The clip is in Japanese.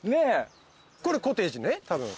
これコテージねたぶん。